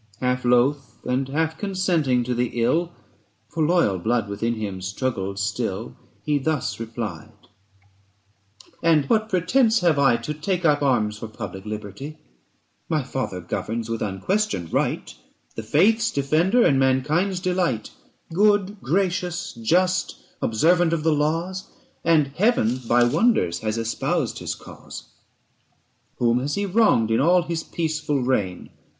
Half loth and half consenting to the ill, For loyal blood within him struggled still, He thus replied: 'And what pretence have I 315 To take up arms for public liberty ? My father governs with unquestioned right, The faith's defender and mankind's delight, Good, gracious, just, observant of the laws ; And Heaven by wonders has espoused his cause. 320 Whom has he wronged in all his peaceful reign